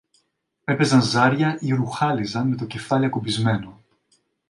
έπαιζαν ζάρια ή ρουχάλιζαν με το κεφάλι ακουμπισμένο